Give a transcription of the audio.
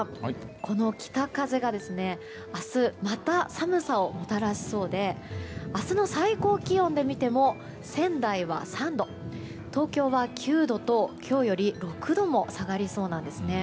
この北風が明日、また寒さをもたらしそうで明日の最高気温で見ても仙台は３度東京は９度と、今日より６度も下がりそうなんです。